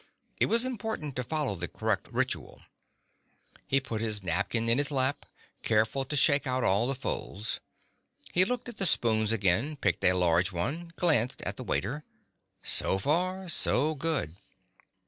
It was important to follow the correct ritual. He put his napkin in his lap, careful to shake out all the folds. He looked at the spoons again, picked a large one, glanced at the waiter. So far so good